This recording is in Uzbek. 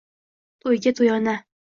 To‘yga to‘yona